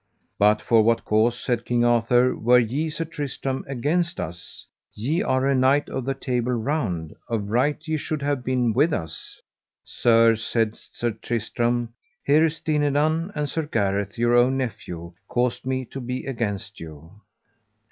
But for what cause, said King Arthur, were ye, Sir Tristram, against us? Ye are a knight of the Table Round; of right ye should have been with us. Sir, said Sir Tristram, here is Dinadan, and Sir Gareth your own nephew, caused me to be against you.